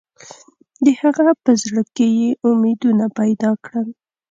د هغه په زړه کې یې امیدونه پیدا کړل.